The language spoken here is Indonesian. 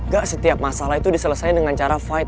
gak setiap masalah itu diselesaikan dengan cara fight